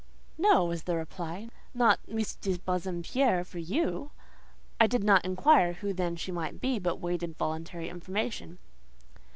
"No," was the reply, "not Miss de Bassompierre for you!" I did not inquire who then she might be, but waited voluntary information.